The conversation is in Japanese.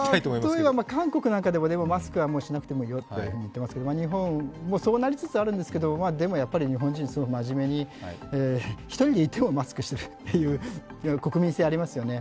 例えば韓国なんかでもマスクはしなくていいよと言っていますけれども、日本もそうなりつつあるんですけれども、やっぱりでも日本人はすごく真面目に、１人でいてもマスクをしているという国民性がありますよね。